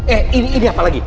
eh ini apa lagi